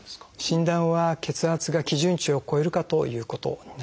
診断は血圧が基準値を超えるかということになります。